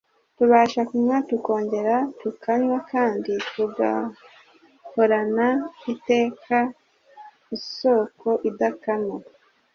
Tubasha kunywa, tukongera tukanywa, kandi tugahorana iteka isoko idakama